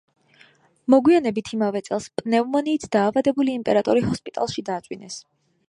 მოგვიანებით, იმავე წელს პნევმონიით დაავადებული იმპერატორი ჰოსპიტალში დააწვინეს.